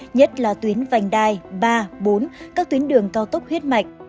nhất là tuyến vành đai ba bốn các tuyến đường cao tốc huyết mạch